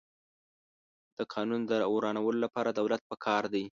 د قانون د ورانولو لپاره دولت پکار دی.